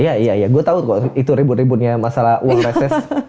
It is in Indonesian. iya iya gue tau kok itu ribut ributnya masalah uang reses